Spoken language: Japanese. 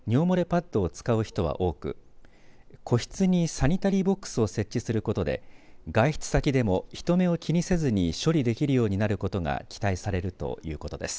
パッドを使う人は多く個室にサニタリーボックスを設置することで外出先でも人目を気にせずに処理できるようになることが期待されるということです。